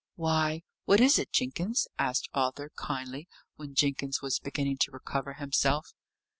"Why, what is it, Jenkins?" asked Arthur, kindly, when Jenkins was beginning to recover himself.